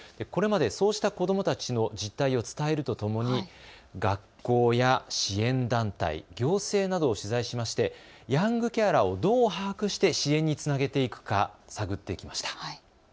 これまで、そうした子どもたちの実態を伝えるとともに学校や支援団体、行政などを取材しましてヤングケアラーをどう把握して支援につなげていくか探ってきました。